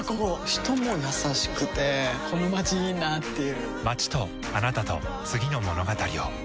人も優しくてこのまちいいなぁっていう